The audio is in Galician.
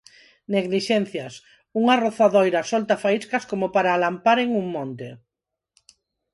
Neglixencias: unha rozadoira solta faíscas como para alamparen un monte.